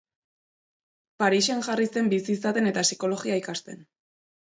Parisen jarri zen bizi izaten eta psikologia ikasten.